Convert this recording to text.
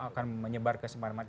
akan menyebar ke semangat